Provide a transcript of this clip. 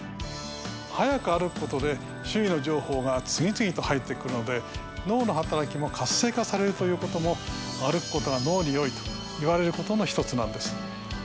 速く歩くことで周囲の情報が次々と入ってくるので脳の働きも活性化されるということも歩くことが脳に良いと言われることの１つなんです。